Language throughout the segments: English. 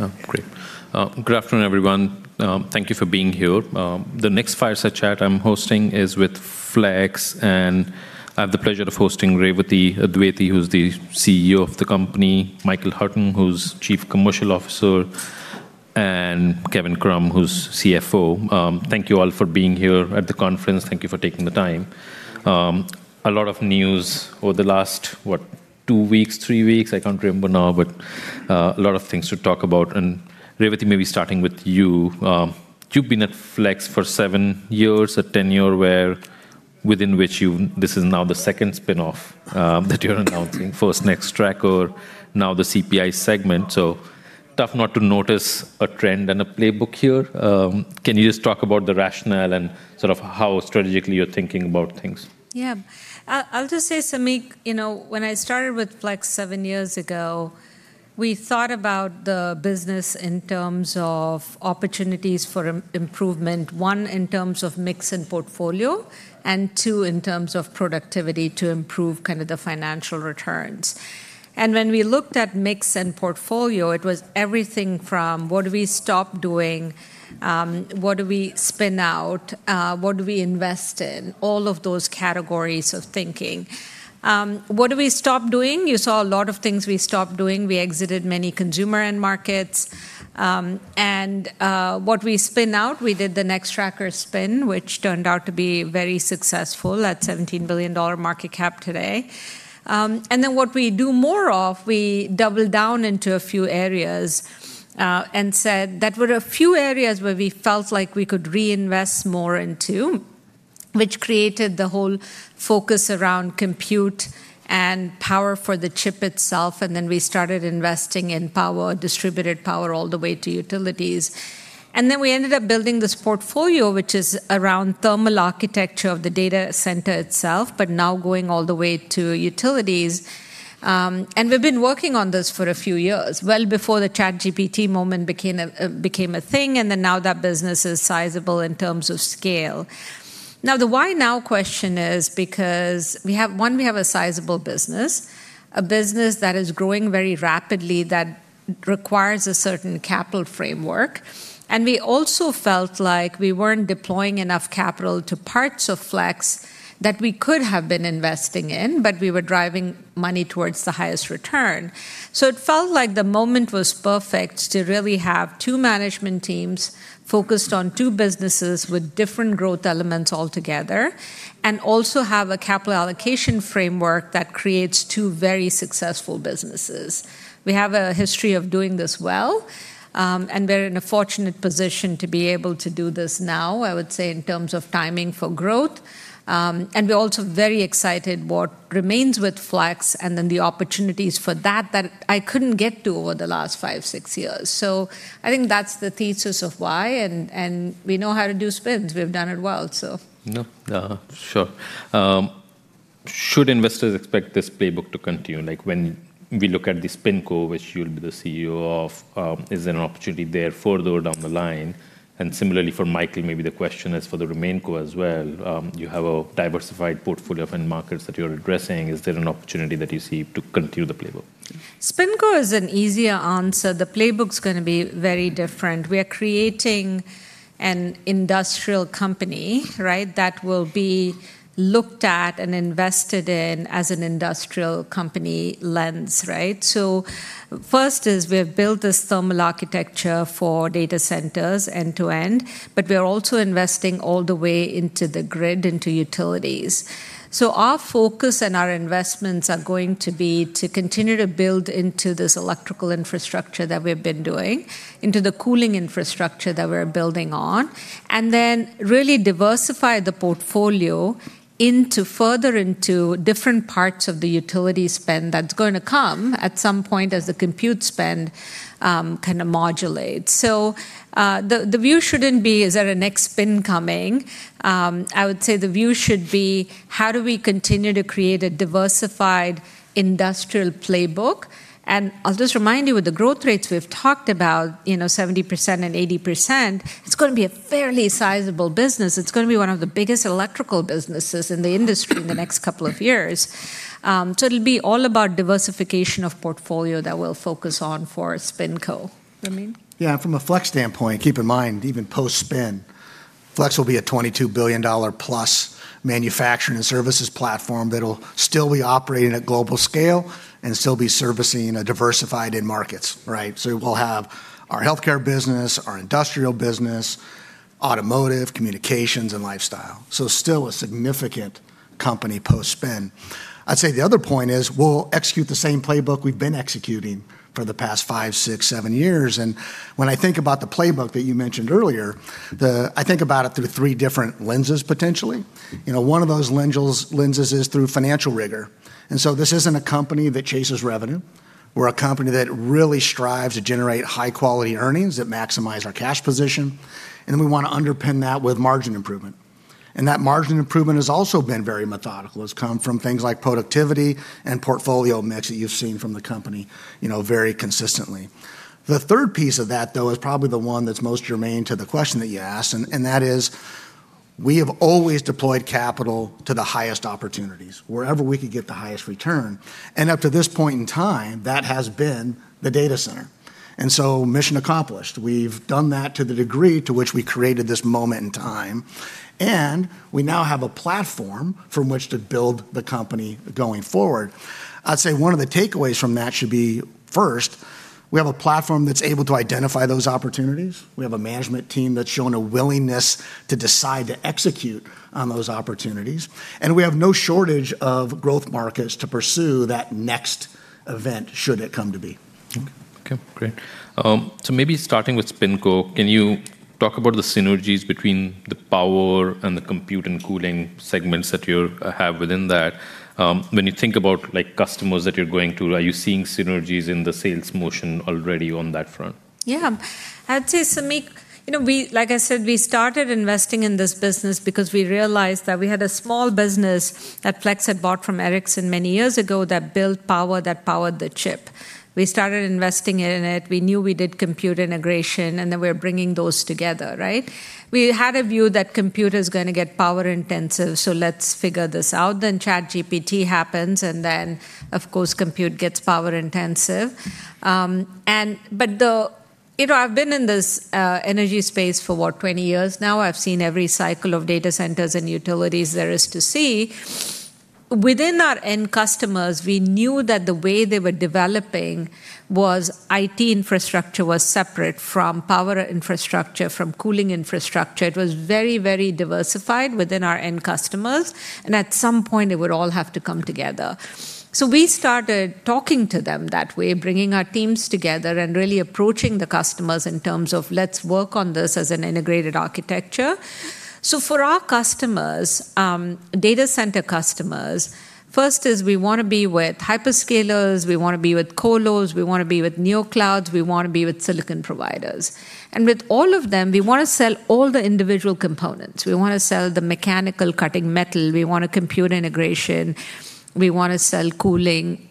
Oh, great. Good afternoon, everyone. Thank you for being here. The next fireside chat I'm hosting is with Flex, and I have the pleasure of hosting Revathi Advaithi, who's the CEO of the company, Michael Hartung, who's Chief Commercial Officer, and Kevin Krumm, who's CFO. Thank you all for being here at the conference. Thank you for taking the time. A lot of news over the last what? two weeks, three weeks? I can't remember now, but a lot of things to talk about. Revathi, maybe starting with you. You've been at Flex for seven years, a tenure within which This is now the second spin-off that you're announcing. First Nextracker, then the CPI segment—it's tough not to notice a trend and a playbook here. Can you just talk about the rationale and sort of how strategically you're thinking about things? I'll just say, Samik, you know, when I started with Flex seven years ago, we thought about the business in terms of opportunities for improvement. One, in terms of mix and portfolio, two, in terms of productivity to improve kind of the financial returns. When we looked at the mix and portfolio, it was everything from what do we stop doing, what do we spin out, and what do we invest in? All of those categories of thinking. What do we stop doing? You saw a lot of things we stopped doing. We exited many consumer end markets. What we spun out, we did the Nextracker spin, which turned out to be very successful at a $17 billion market cap today. What we do more of, we doubled down on a few areas and said that there were a few areas where we felt like we could reinvest more into, which created the whole focus around compute and power for the chip itself, we started investing in power, distributed power all the way to utilities. We ended up building this portfolio, which is around the thermal architecture of the data center itself but now goes all the way to utilities. We've been working on this for a few years, well before the ChatGPT moment became a thing, now that business is sizable in terms of scale. The why now? question is because we have one, we have a sizable business, a business that is growing very rapidly that requires a certain capital framework, and we also felt like we weren't deploying enough capital to parts of Flex that we could have been investing in, but we were driving money towards the highest return. It felt like the moment was perfect to really have two management teams focused on two businesses with different growth elements altogether and also have a capital allocation framework that creates two very successful businesses. We have a history of doing this well, and we're in a fortunate position to be able to do this now, I would say, in terms of timing for growth. We're also very excited about what remains with Flex and then the opportunities for that that I couldn't get to over the last five or six years. I think that's the thesis of why. We know how to do spins. We've done it well. No. Sure. Should investors expect this playbook to continue? Like when we look at SpinCo, which you'll be the CEO of, is there an opportunity there further down the line? Similarly for Michael, maybe the question is for RemainCo as well. You have a diversified portfolio of end markets that you're addressing. Is there an opportunity that you see to continue the playbook? SpinCo is an easier answer. The playbook's gonna be very different. We are creating an industrial company, right? That will be looked at and invested in as an industrial company lens, right? First, we have built this thermal architecture for data centers end-to-end, but we are also investing all the way into the grid, into utilities. Our focus and our investments are going to be to continue to build into this electrical infrastructure that we've been doing, into the cooling infrastructure that we're building on, and then really diversify the portfolio into different parts of the utility spend that's going to come at some point as the compute spend kind of modulates. Then, the view shouldn't be Is there a next spin coming? I would say the view should be How do we continue to create a diversified industrial playbook? I'll just remind you, with the growth rates we've talked about, you know, 70% and 80%, it's going to be a fairly sizable business. It's going to be one of the biggest electrical businesses in the industry in the next couple of years. It'll be all about diversification of portfolio that we'll focus on for SpinCo, RemainCo. Yeah. From a Flex standpoint, keep in mind, even post-spin, Flex will be a +$22 billion manufacturing and services platform that'll still be operating at a global scale and still be servicing diversified end markets, right? We'll have our healthcare business, our industrial business, automotive, communications, and lifestyle businesses. Still a significant company post-spin. I'd say the other point is we'll execute the same playbook we've been executing for the past five, six, seven years. When I think about the playbook that you mentioned earlier, I think about it through three different lenses potentially. You know, one of those lenses is through financial rigor. This isn't a company that chases revenue. We're a company that really strives to generate high-quality earnings that maximize our cash position, and then we want to underpin that with margin improvement. That margin improvement has also been very methodical. It's come from things like productivity and portfolio mix that you've seen from the company, you know, very consistently. The third piece of that, though, is probably the one that's most germane to the question that you asked. We have always deployed capital to the highest opportunities, wherever we could get the highest return. Up to this point in time, that has been the data center. Mission accomplished. We've done that to the degree to which we created this moment in time, and we now have a platform from which to build the company going forward. I'd say one of the takeaways from that should be, first, we have a platform that's able to identify those opportunities. We have a management team that's shown a willingness to decide to execute on those opportunities, and we have no shortage of growth markets to pursue if that next event should come to be. Okay. Great. Maybe starting with SpinCo, can you talk about the synergies between the power and the compute and cooling segments that you have within that? When you think about, like, customers that you're going to, are you seeing synergies in the sales motion already on that front? Yeah. I'd say, Samik, you know, like I said, we started investing in this business because we realized that we had a small business that Flex had bought from Ericsson many years ago that built power that powered the chip. We started investing in it. We knew we did compute integration. Then we're bringing those together, right? We had a view that compute is going to get power-intensive. Let's figure this out. ChatGPT happens. Then, of course, the computer gets power-intensive. You know, I've been in this energy space for what? 20 years now. I've seen every cycle of data centers and utilities there is to see. Within our end customers, we knew that the way they were developing their IT infrastructure was separate from power infrastructure and from cooling infrastructure. It was very, very diverse within our end customers, and at some point it would all have to come together. We started talking to them that way, bringing our teams together and really approaching the customers in terms of let's work on this as an integrated architecture. For our customers, data center customers, first, we want to be with hyperscalers, we want to be with colos, we want to be with neoclouds, and we want to be with silicon providers. With all of them, we want to sell all the individual components. We want to sell the mechanical cutting metal, we want computer integration, we want to sell cooling,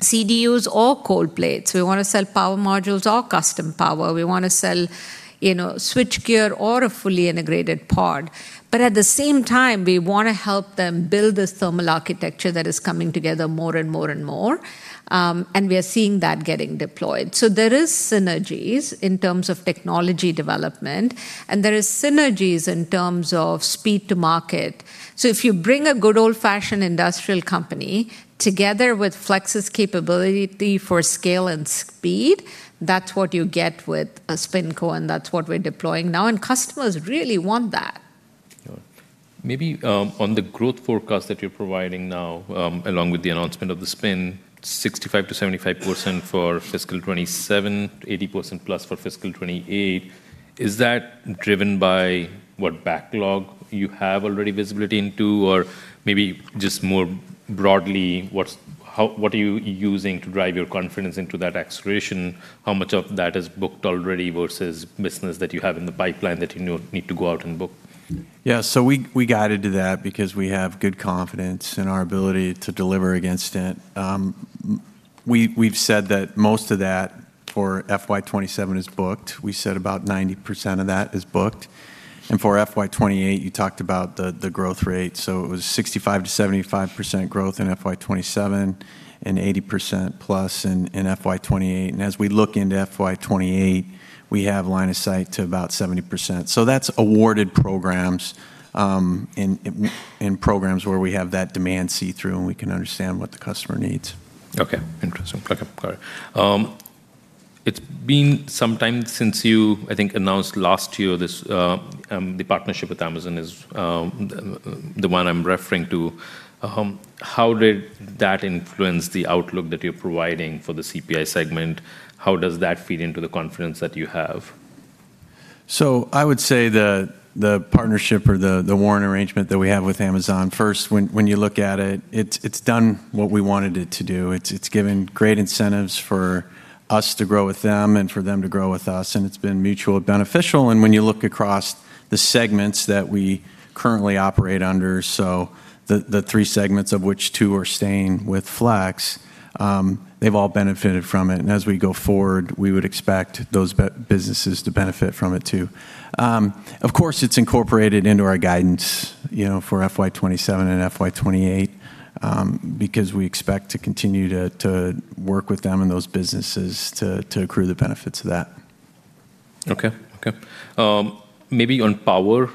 CDUs, or cold plates. We want to sell power pods or custom power. We want to sell, you know, switchgear or a fully integrated pod. At the same time, we want to help them build this thermal architecture that is coming together more and more and more, and we are seeing that getting deployed. There are synergies in terms of technology development, and there are synergies in terms of speed to market. If you bring a good old-fashioned industrial company together with Flex's capability for scale and speed, that's what you get with a SpinCo, and that's what we're deploying now, and customers really want that. Sure. Maybe on the growth forecast that you're providing now, along with the announcement of the spin, 65%-75% for FY 2027, +80% for FY 2028, is that driven by what backlog you already have visibility into? Or maybe just more broadly, what are you using to drive your confidence into that acceleration? How much of that is booked already versus business that you have in the pipeline that you know you need to go out and book? Yeah. We guided it because we have good confidence in our ability to deliver against it. We've said that most of that for FY 2027 is booked. We said about 90% of that is booked. For FY 2028, you talked about the growth rate. It was 65%-75% growth in FY 2027 and 80% or more in FY 2028. As we look into FY 2028, we have line of sight to about 70%. Those are awarded programs, in programs where we have that demand see-through and we can understand what the customer needs. Okay. Interesting. Okay, got it. It's been some time since you, I think, announced last year this: the partnership with Amazon is the one I'm referring to. How did that influence the outlook that you're providing for the CPI segment? How does that feed into the confidence that you have? I would say the partnership or the warrant arrangement that we have with Amazon, first, when you look at it, has done what we wanted it to do. It's given great incentives for us to grow with them and for them to grow with us, and it's been mutually beneficial. When you look across the segments that we currently operate under, the three segments of which two are staying with Flex, they've all benefited from them. As we go forward, we would expect those businesses to benefit from it too. Of course, it's incorporated into our guidance, you know, for FY 2027 and FY 2028, because we expect to continue to work with them and those businesses to accrue the benefits of that. Okay. Okay. Maybe on power,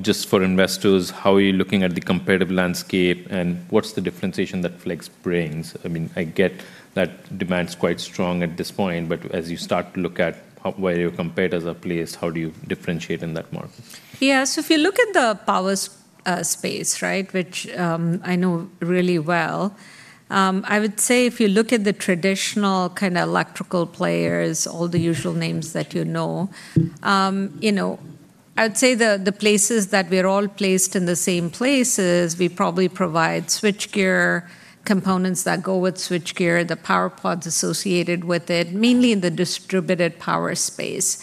just for investors, how are you looking at the competitive landscape, and what's the differentiation that Flex brings? I mean, I get that demand's quite strong at this point, as you start to look at where you're compared as a place, how do you differentiate in that more? Yeah. If you look at the power space, right, which I know really well, I would say if you look at the traditional kind of electrical players, all the usual names that you know, I'd say the places that we're all placed in are the same places, we probably provide switchgear components that go with switchgear, the power pods associated with it, mainly in the distributed power space.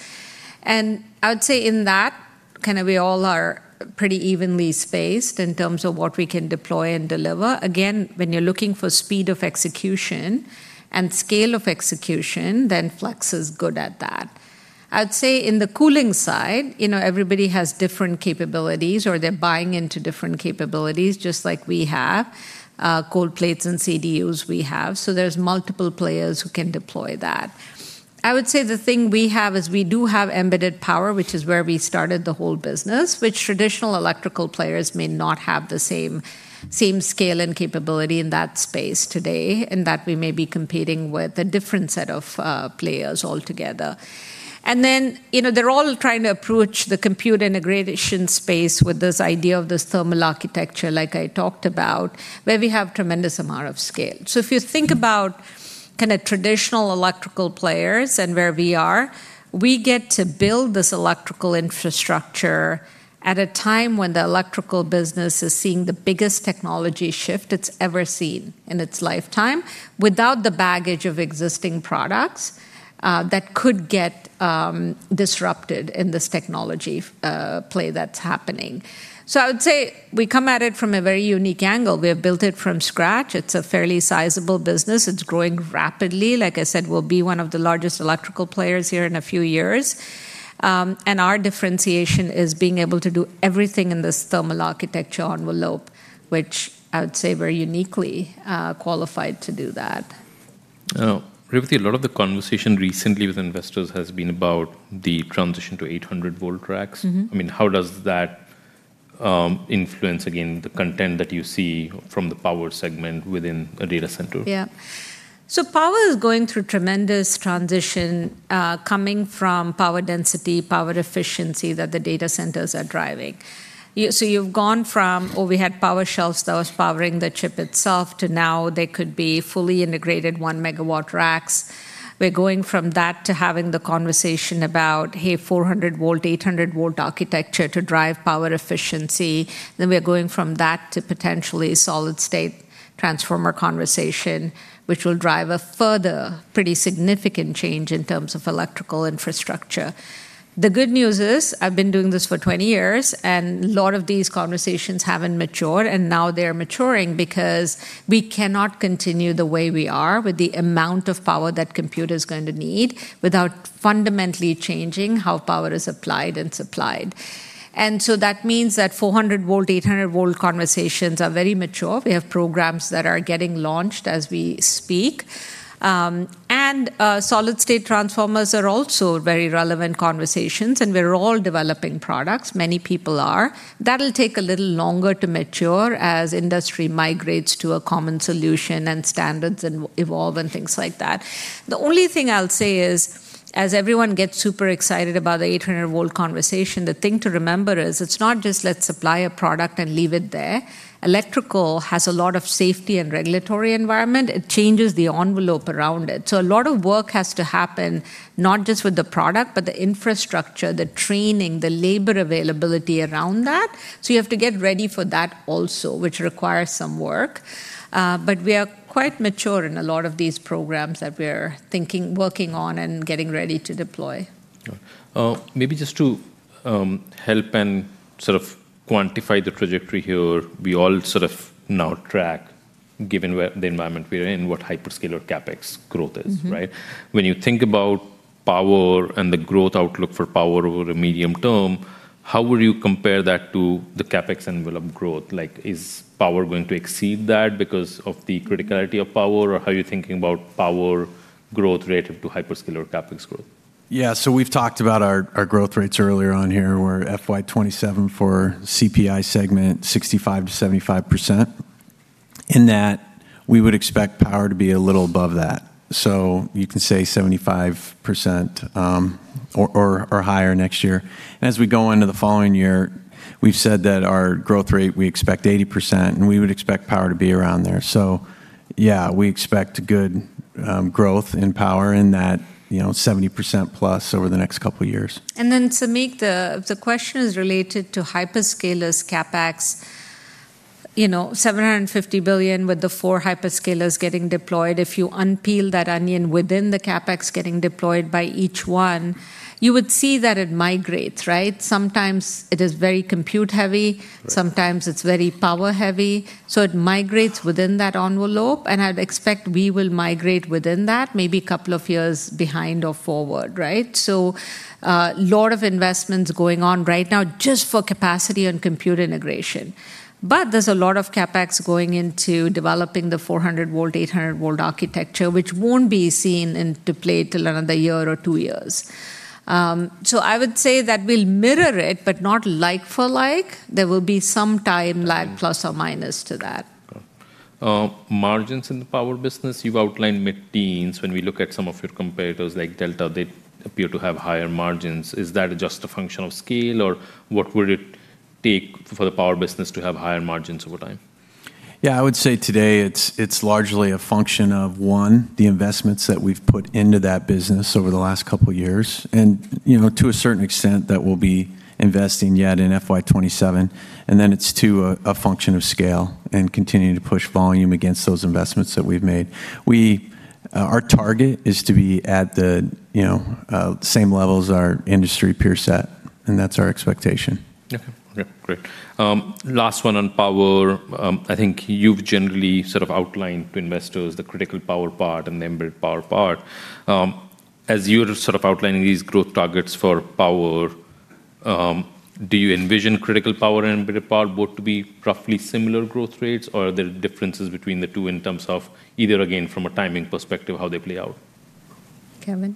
I would say in that, kind of, we all are pretty evenly spaced in terms of what we can deploy and deliver. Again, when you're looking for speed of execution and scale of execution, then Flex is good at that. I'd say on the cooling side, you know, everybody has different capabilities or they're buying into different capabilities, just like we have cold plates and CDUs. There are multiple players who can deploy that. I would say the thing we have is we do have embedded power, which is where we started the whole business, and traditional electrical players may not have the same scale and capability in that space today, and we may be competing with a different set of players altogether. You know, they're all trying to approach the compute integration space with this idea of this thermal architecture, like I talked about, where we have a tremendous amount of scale. If you think about kind of traditional electrical players and where we are, we get to build this electrical infrastructure at a time when the electrical business is seeing the biggest technology shift it's ever seen in its lifetime without the baggage of existing products that could get disrupted in this technology play that's happening. I would say we come at it from a very unique angle. We have built it from scratch. It's a fairly sizable business. It's growing rapidly. Like I said, we'll be one of the largest electrical players here in a few years. Our differentiation is being able to do everything in this thermal architecture envelope, which I would say we're uniquely qualified to do. Oh. Revathi, a lot of the conversation recently with investors has been about the transition to 800-volt racks. I mean, how does that influence again the content that you see from the power segment within a data center? Power is going through tremendous transition, coming from power density and power efficiency that the data centers are driving. You've gone from having power shelves that were powering the chip itself to now having fully integrated 1MW racks. We're going from that to having the conversation about 400 volt, 800 volt architecture to drive power efficiency. We are going from that to a potentially solid-state transformer conversation, which will drive a further pretty significant change in terms of electrical infrastructure. The good news is I've been doing this for 20 years, and a lot of these conversations haven't matured, and now they're maturing because we cannot continue the way we are with the amount of power that computers are going to need without fundamentally changing how power is applied and supplied. That means that 4000-volt and 800-volt conversations are very mature. We have programs that are getting launched as we speak. Solid-state transformers are also very relevant conversations, and we're all developing products, many people are. That'll take a little longer to mature as the industry migrates to a common solution and standards evolve and things like that. The only thing I'll say is, as everyone gets super excited about the 800-volt conversation, the thing to remember is it's not just lett's supply a product and leave it there. Electricity has a lot of safety and regulatory environments. It changes the envelope around it. A lot of work has to happen not just with the product but with the infrastructure, the training, and the labor availability around that. You have to get ready for that also, which requires some work. We are quite mature in a lot of these programs that we're working on and getting ready to deploy. Maybe just to help and sort of quantify the trajectory here that we all sort of now track, given where the environment we're in is and what hyperscaler CapEx growth is, right? When you think about power and the growth outlook for power over the medium term, how would you compare that to the CapEx envelope growth? Like, is power going to exceed that because of the criticality of power? Or how are you thinking about power growth rate to hyperscaler CapEx growth? Yeah. We've talked about our growth rates earlier on here, where FY 2027 for CPI segment is 65%-75%, in that we would expect power to be a little above that. You can say 75% or higher next year. As we go into the following year, we've said that our growth rate, we expect 80%, and we would expect power to be around there. Yeah, we expect good growth in power in that, you know, 70% or more over the next couple years. Then, Samik, the question is related to hyperscalers' CapEx. You know, $750 billion with the four hyperscalers getting deployed. If you unpeel that onion within the CapEx getting deployed by each one, you would see that it migrates, right? Sometimes it is very compute-heavy. Right. Sometimes it's very power-heavy. It migrates within that envelope, and I'd expect we will migrate within that maybe a couple of years behind or forward, right? Lot of investments are going on right now just for capacity and compute integration. There's a lot of CapEx going into developing the 400 volt, 800 volt architecture, which won't be seen in play till another one or two years. I would say that we'll mirror it, but not like for like. There will be some time lag plus or minus that. Okay. Margins in the power business, you've outlined mid-teens. We look at some of your competitors like Delta, they appear to have higher margins. Is that just a function of scale, or what would it take for the power business to have higher margins over time? I would say today it's largely a function of, one, the investments that we've put into that business over the last couple years and, you know, to a certain extent, what we'll be investing in in FY 2027. Then it's to a function of scale and continuing to push volume against those investments that we've made. We, our target, are to be at the, you know, same level as our industry peer set. That's our expectation. Okay. Yeah, great. Last one on Power. I think you've generally sort of outlined to investors the critical Power part and the embedded Power part. As you're sort of outlining these growth targets for Power, do you envision critical Power and embedded Power both having roughly similar growth rates? Are there differences between the two in terms of either, again, from a timing perspective, how they play out? Kevin?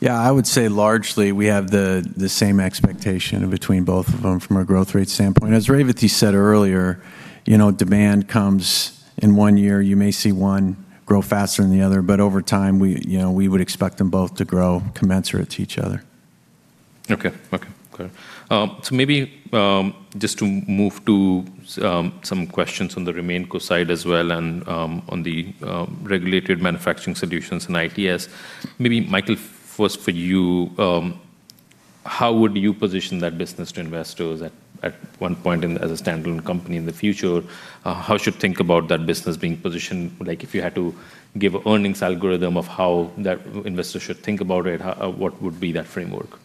Yeah, I would say largely we have the same expectation between both of them from a growth rate standpoint. As Revathi said earlier, you know, demand comes in one year, you may see one grow faster than the other, but over time, we, you know, we would expect them both to grow commensurate to each other. Okay. Okay, great. Maybe, just to move to some questions on the RemainCo side as well and on the Regulated Manufacturing Solutions and ITS. Maybe Michael, first for you, how would you position that business to investors at one point as a standalone company in the future? How should you think about that business being positioned? Like, if you had to give an earnings algorithm of how that investor should think about it, what would be that framework?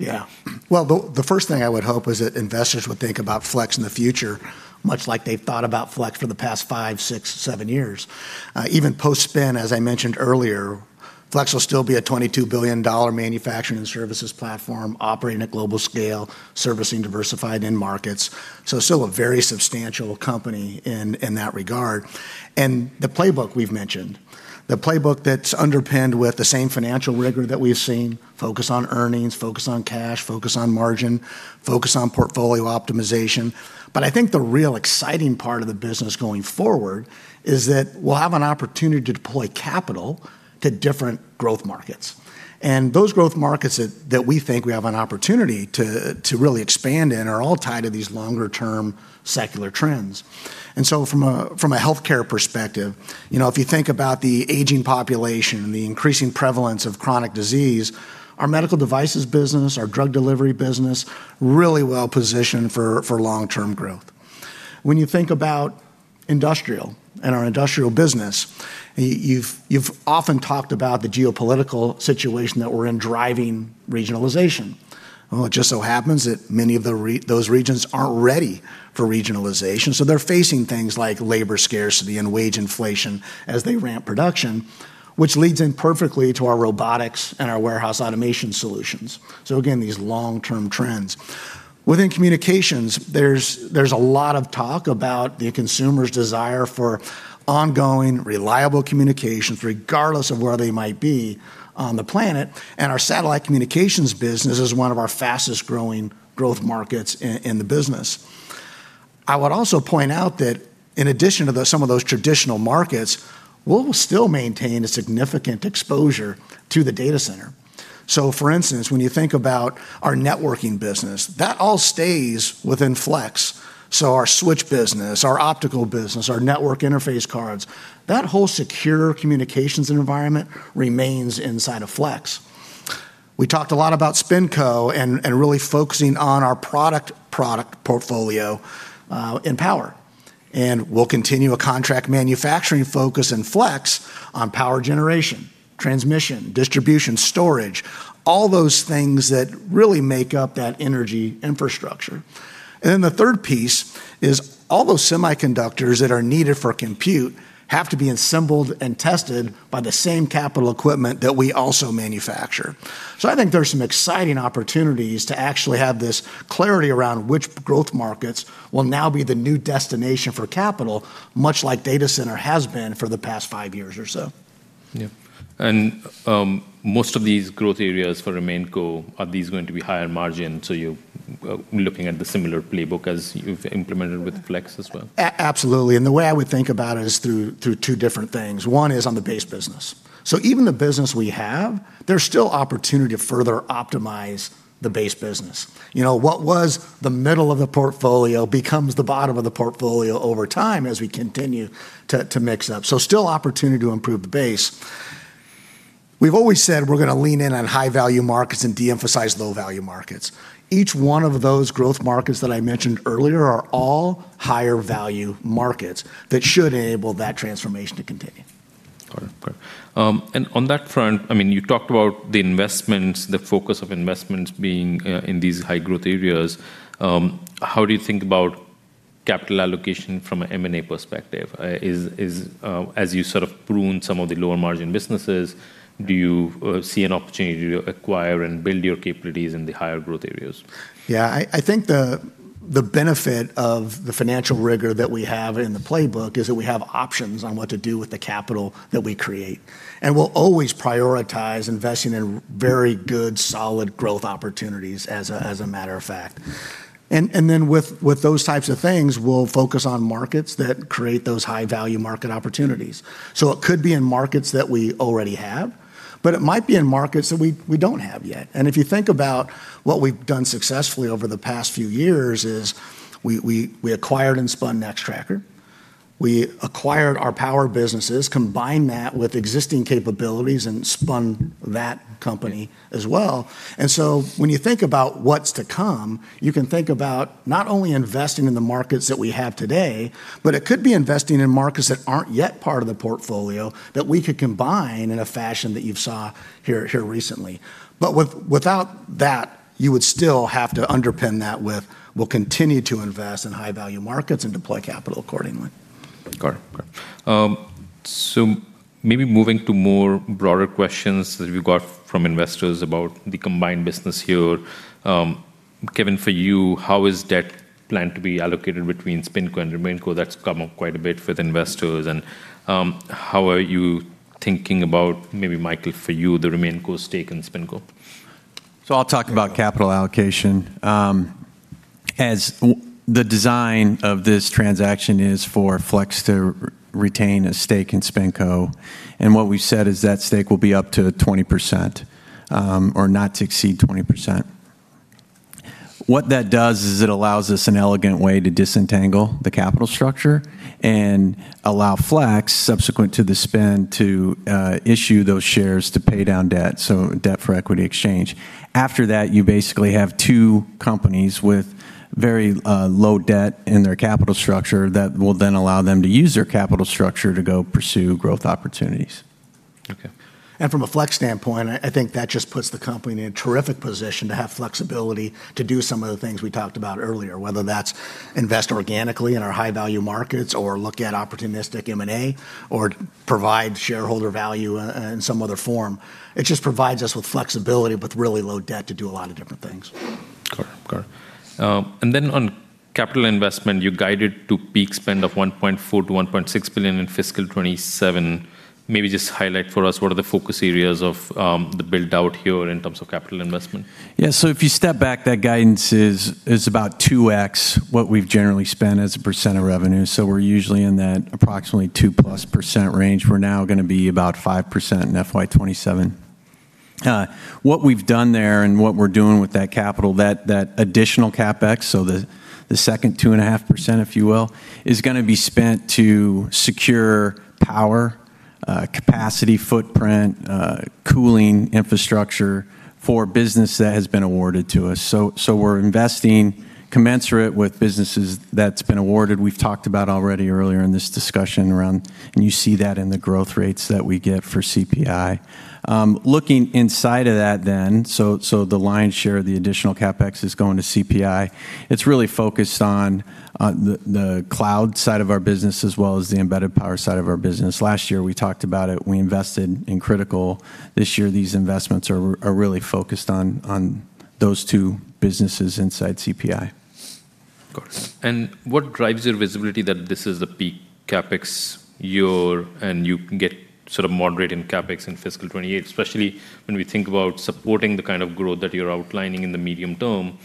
Well, the first thing I would hope is that investors would think about Flex in the future, much like they've thought about Flex for the past five, six, seven years. Even post-spin, as I mentioned earlier, Flex will still be a $22 billion manufacturing and services platform operating at a global scale, servicing diversified end markets, so it's still a very substantial company in that regard. The playbook we've mentioned, the playbook that's underpinned with the same financial rigor that we've seen, focuses on earnings, focuses on cash, focuses on margin, and focuses on portfolio optimization. I think the real exciting part of the business going forward is that we'll have an opportunity to deploy capital to different growth markets. Those growth markets that we think we have an opportunity to really expand in are all tied to these longer-term secular trends. From a healthcare perspective, you know, if you think about the aging population and the increasing prevalence of chronic disease, our medical devices business and our drug delivery business are really well-positioned for long-term growth. When you think about industry and our industrial business, you've often talked about the geopolitical situation that we're in driving regionalization. Well, it just so happens that many of those regions aren't ready for regionalization, so they're facing things like labor scarcity and wage inflation as they ramp production, which leads perfectly into our robotics and our warehouse automation solutions. Again, these are long-term trends. Within communications, there's a lot of talk about the consumer's desire for ongoing reliable communications regardless of where they might be on the planet, and our satellite communications business is one of our fastest-growing growth markets in the business. I would also point out that in addition to those, some of those traditional markets will still maintain a significant exposure to the data center. For instance, when you think about our networking business, that all stays within Flex. Our switch business, our optical business, our network interface cards—that whole secure communications environment remains inside of Flex. We talked a lot about SpinCo and really focusing on our product portfolio in Power. We'll continue a contract manufacturing focus in Flex on power generation, transmission, distribution, storage, and all those things that really make up that energy infrastructure. The third piece is all those semiconductors that are needed for computation have to be assembled and tested by the same capital equipment that we also manufacture. I think there are some exciting opportunities to actually have this clarity around which growth markets will now be the new destination for capital, much like data centers have been for the past five years or so. Yeah. Most of these growth areas for RemainCo, are these going to be higher margin, so you're looking at the similar playbook as you've implemented with Flex as well? Absolutely. The way I would think about it is through two different things. One is on the base business. Even with the business we have, there's still opportunity to further optimize the base business. You know, what was the middle of the portfolio becomes the bottom of the portfolio over time as we continue to mix it up. Still opportunity to improve the base. We've always said we're going to lean in on high-value markets and de-emphasize low-value markets. Each one of those growth markets that I mentioned earlier is a higher-value market that should enable that transformation to continue. Got it. Great. I mean, on that front, you talked about the investments, the focus of investments being in these high-growth areas. How do you think about capital allocation from an M&A perspective? As you sort of prune some of the lower-margin businesses, do you see an opportunity to acquire and build your capabilities in the higher-growth areas? I think the benefit of the financial rigor that we have in the playbook is that we have options on what to do with the capital that we create. We'll always prioritize investing in very good, solid growth opportunities, as a matter of fact. Then with those types of things, we'll focus on markets that create those high-value market opportunities. It could be in markets that we already have, but it might be in markets that we don't have yet. If you think about what we've done successfully over the past few years, we acquired and spun off Nextracker. We acquired our Power businesses, combined that with existing capabilities, and spun that company as well. When you think about what's to come, you can think about not only investing in the markets that we have today, but also investing in markets that aren't yet part of the portfolio that we could combine in a fashion that you've seen here recently. Without that, you would still have to underpin that with, we'll continue to invest in high-value markets and deploy capital accordingly. Got it. Got it. Maybe moving to broader questions that we've got from investors about the combined business here. Kevin, for you, how is debt planned to be allocated between SpinCo and RemainCo? That's come up quite a bit with investors. How are you thinking about, maybe, Michael, for you, the RemainCo stake in SpinCo? I'll talk about capital allocation. The design of this transaction is for Flex to retain a stake in SpinCo, and what we've said is that stake will be up to 20% or not to exceed 20%. What that does is it allows us an elegant way to disentangle the capital structure and allow Flex, subsequent to the spin, to issue those shares to pay down debt, so debt-for-equity exchange. After that, you basically have two companies with very low debt in their capital structure that will then allow them to use their capital structure to go pursue growth opportunities. Okay. From a Flex standpoint, I think that just puts the company in a terrific position to have flexibility to do some of the things we talked about earlier, whether that's invest organically in our high-value markets or look at opportunistic M&A or provide shareholder value in some other form. It just provides us with flexibility with really low debt to do a lot of different things. Got it. Got it. On capital investment, you are guided to a peak spend of $1.4 billion-$1.6 billion in FY 2027. Maybe just highlight for us what the focus areas of the build-out here are in terms of capital investment? Yeah. If you step back, that guidance is about 2x what we've generally spent as a % of revenue. We're usually in that approximately +2% range. We're now going to be about 5% in FY 2027. What we've done there and what we're doing with that capital, that additional CapEx, the second 2.5%, if you will, is going to be spent to secure power, capacity, footprint, and cooling infrastructure for businesses that have been awarded to us. We're investing commensurately with businesses that have been awarded. We've already talked about it earlier in this discussion. You see that in the growth rates that we get for CPI. Looking inside of that then, the lion's share of the additional CapEx is going to CPI. It's really focused on the cloud side of our business as well as the embedded power side of our business. Last year we talked about it. We invested in critical things. This year these investments are really focused on those two businesses inside CPI. Of course. What drives your visibility that this is the peak CapEx year and you can get sort of moderate in CapEx in FY2028? Especially when we think about supporting the kind of growth that you're outlining in the medium term,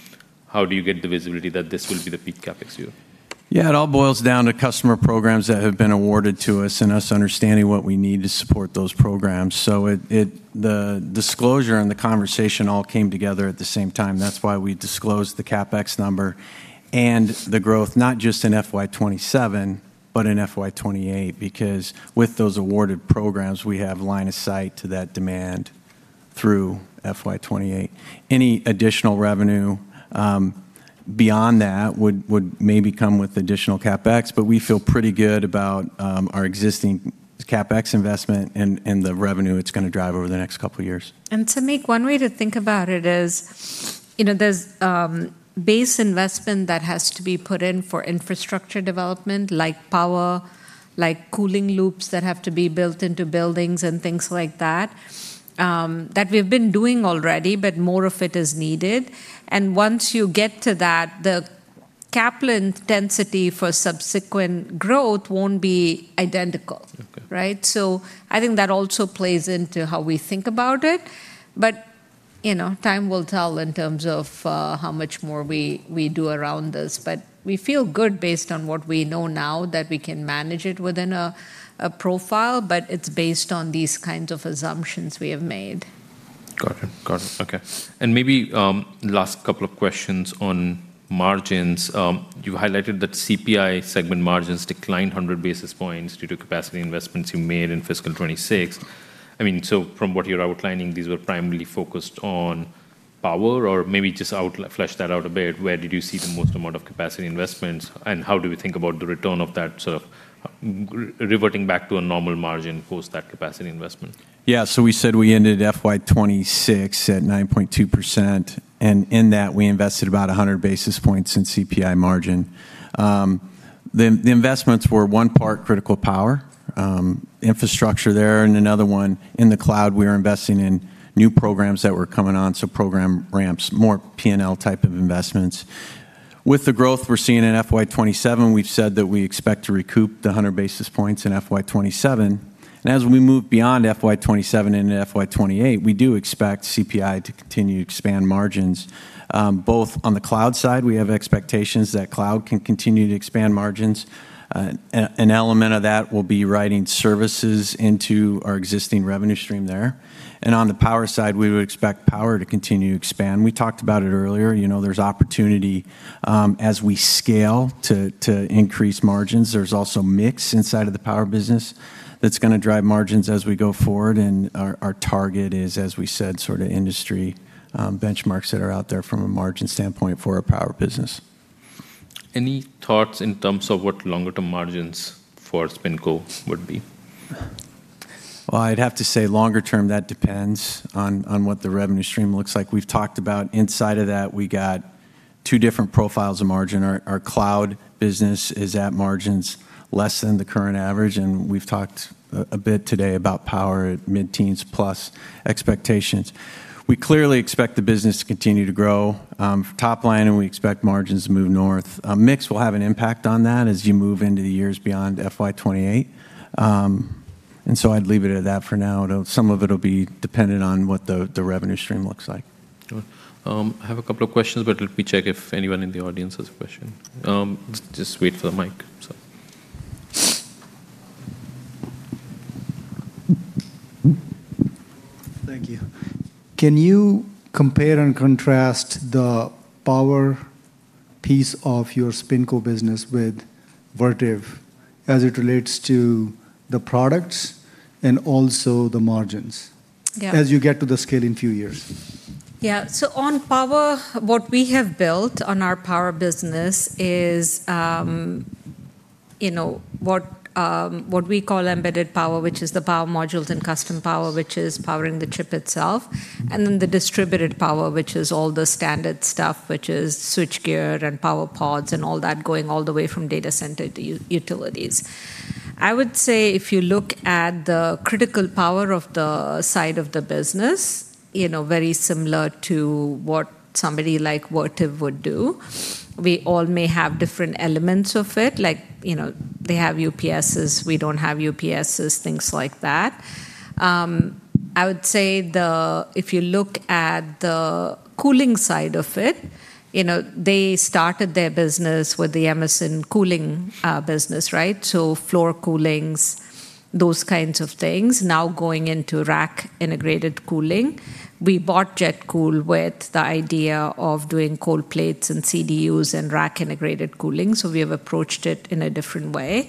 how do you get the visibility that this will be the peak CapEx year? Yeah, it all boils down to customer programs that have been awarded to us and us understanding what we need to support those programs. The disclosure and the conversation all came together at the same time. That's why we disclosed the CapEx number and the growth, not just in FY 2027, but in FY 2028. With those awarded programs, we have line of sight to that demand through FY2028. Any additional revenue beyond that would maybe come with additional CapEx. We feel pretty good about our existing CapEx investment and the revenue it's going to drive over the next couple years. Samik, one way to think about it is, you know, there's a base investment that has to be put in for infrastructure development, like power and cooling loops that have to be built into buildings and things like that we've been doing already, but more of it is needed. Once you get to that, the CapEx intensity for subsequent growth won't be identical. Okay. Right. I think that also plays into how we think about it. You know, time will tell in terms of how much more we do around this. We feel good based on what we know now that we can manage it within a profile, but it's based on these kinds of assumptions we have made. Got it. Got it. Okay. Maybe, last couple of questions on margins. You highlighted that CPI segment margins declined 100 basis points due to capacity investments you made in FY 2026. I mean, from what you're outlining, these were primarily focused on power, or maybe just flesh that out a bit. Where did you see the most amount of capacity investments, and how do we think about the return of that sort of reverting back to a normal margin post that capacity investment? We said we ended FY 2026 at 9.2% in that we invested about 100 basis points in CPI margin. The investments were one part critical power infrastructure there and another one in the cloud. We were investing in new programs that were coming on, so program ramps and more P&L type of investments. With the growth we're seeing in FY 2027, we've said that we expect to recoup the 100 basis points in FY 2027. As we move beyond FY 2027 and FY 2028, we do expect CPI to continue to expand margins. Both on the cloud side, we have expectations that the cloud can continue to expand margins. An element of that will be writing services into our existing revenue stream there. On the power side, we would expect power to continue to expand. We talked about it earlier. You know, there's opportunity as we scale to increase margins. There's also a mix inside of the power business that's going to drive margins as we go forward, and our target is, as we said, sort of industry benchmarks that are out there from a margin standpoint for our power business. Any thoughts in terms of what longer-term margins for SpinCo would be? Well, I'd have to say longer term, that depends on what the revenue stream looks like. We've talked about inside of that; we got two different profiles of margin. Our cloud business is at margins less than the current average, and we've talked a bit today about power at mid-teens plus expectations. We clearly expect the business to continue to grow the top line; we expect margins to move north. Mix will have an impact on that as you move into the years beyond FY2028. I'd leave it at that for now. Though some of it'll be dependent on what the revenue stream looks like. Good. I have a couple of questions, but let me check if anyone in the audience has a question. Let's just wait for the mic. Thank you. Can you compare and contrast the power piece of your SpinCo business with Vertiv as it relates to the products and also the margins? Yeah as you get to the scale in a few years? On power, what we have built on our power business is, you know, what we call embedded power, which is the power modules, and custom power, which is powering the chip itself, and then distributed power, which is all the standard stuff, which is switchgear and power pods and all that going all the way from data centers to utilities. I would say if you look at the critical power of the side of the business, you know, very similar to what somebody like Vertiv would do, we all may have different elements of it. Like, you know, they have UPSs, we don't have UPSs, things like that. I would say if you look at the cooling side of it, you know, they started their business with the Emerson cooling business, right? Floor cooling, those kinds of things. Going into rack integrated cooling. We bought JetCool with the idea of doing cold plates and CDUs and rack-integrated cooling, we have approached it in a different way.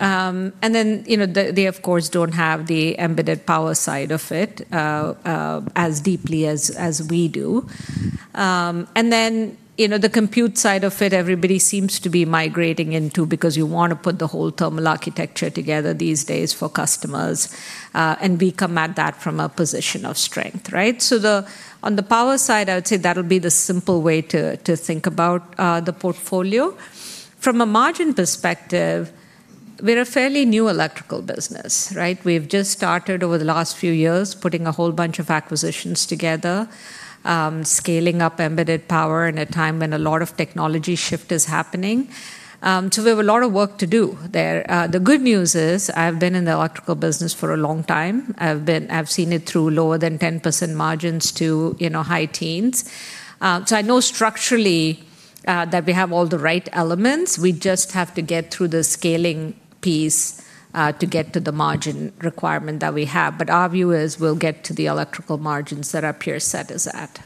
You know, they of course don't have the embedded power side of it as deeply as we do. You know, the compute side of it, everybody seems to be migrating into because you want to put the whole thermal architecture together these days for customers, we come at that from a position of strength, right? Then, on the power side, I would say that'll be the simple way to think about the portfolio. From a margin perspective, we're a fairly new electrical business, right? We've just started over the last few years putting a whole bunch of acquisitions together, scaling up embedded power in a time when a lot of technological shifts are happening. We have a lot of work to do there. The good news is I've been in the electrical business for a long time. I've seen it through lower than 10% margins to, you know, high teens, too. I know structurally that we have all the right elements. We just have to get through the scaling piece to get to the margin requirement that we have. Our view is we'll get to the electrical margins that our peer set is at.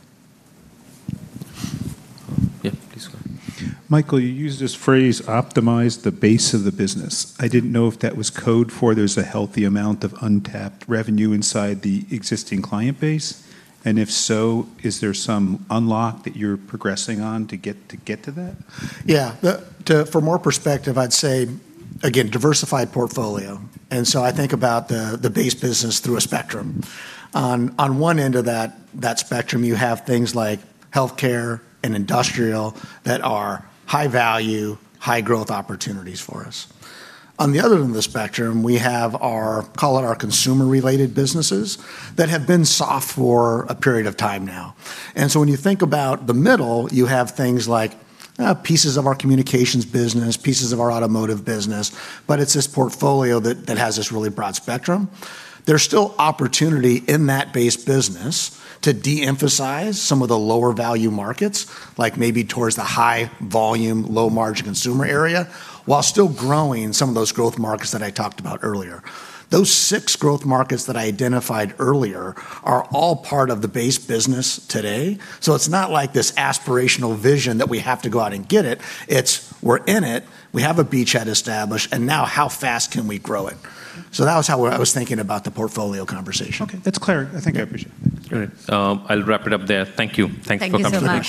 Yeah, please go on. Michael, you used this phrase: Optimize the base of the business. I didn't know if that was code for there's a healthy amount of untapped revenue inside the existing client base. If so, is there some unlock that you're progressing on to get to that? Yeah. For more perspective, I'd say, again, a diversified portfolio. I think about the base business through a spectrum. On one end of that spectrum, you have things like healthcare and industry, which are high-value, high-growth opportunities for us. On the other end of the spectrum, we have, call it, our consumer-related businesses that have been soft for a period of time now. When you think about the middle, you have things like pieces of our communications business and pieces of our automotive business, but it's this portfolio that has this really broad spectrum. There's still opportunity in that base business to de-emphasize some of the lower-value markets, like maybe towards the high-volume, low-margin consumer area, while still growing some of those growth markets that I talked about earlier. Those six growth markets that I identified earlier are all part of the base business today. It's not like this aspirational vision; we have to go out and get it. It's that we're in it, we have a beachhead established, and now how fast can we grow it? That was how I was thinking about the portfolio conversation. Okay. That's clear. I think I appreciate it. All right. I'll wrap it up there. Thank you.